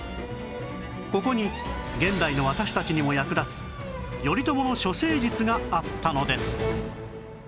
ここに現代の私たちにも役立つ頼朝の処世術があったのです